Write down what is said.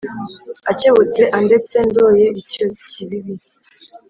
akebutse andetse ndoye icyo kibibi